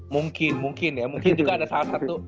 mungkin mungkin ya mungkin juga ada salah satu